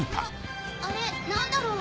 あれ何だろう？